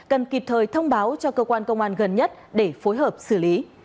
cần kịp thời thông báo cho cơ quan công an gần nhất để phối hợp xử lý